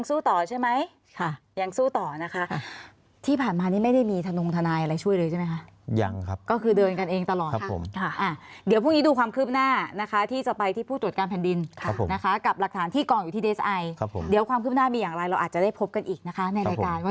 ซึ่งพยายามออกข่าวหลายรอบเมื่อกันนะขอประคุมคลึกของหน้า